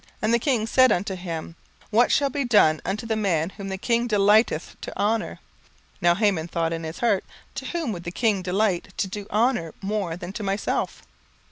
And the king said unto him, What shall be done unto the man whom the king delighteth to honour? Now Haman thought in his heart, To whom would the king delight to do honour more than to myself?